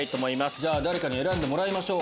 じゃあ、誰かに選んでもらいましょう。